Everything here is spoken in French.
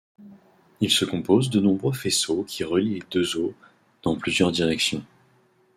Il se compose de nombreux faisceaux qui relient les deux os dans plusieurs directions.